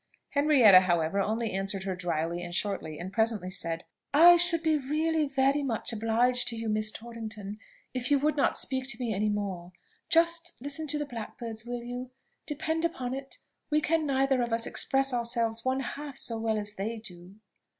Henrietta, however, only answered her dryly and shortly, and presently said, "I should be really very much obliged to you, Miss Torrington, if you would not speak to me any more. Just listen to the blackbirds, will you? depend upon it we can neither of us express ourselves one half so well as they do."